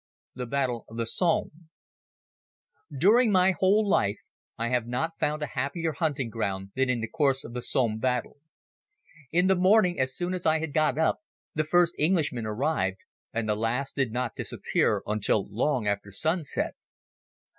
The Battle of the Somme DURING my whole life I have not found a happier hunting ground than in the course of the Somme Battle. In the morning, as soon as I had got up, the first Englishmen arrived, and the last did not disappear until long after sunset.